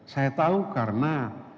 saya tahu karena